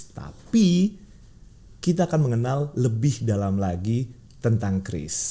tapi kita akan mengenal lebih dalam lagi tentang cris